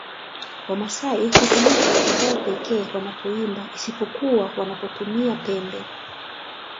Wamasai hutumia sauti zao pekee wanapoimba isipokuwa wanapotumia pembe